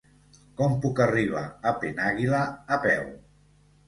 Com puc arribar a Penàguila a peu?